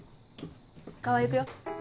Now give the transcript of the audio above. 川合行くよ。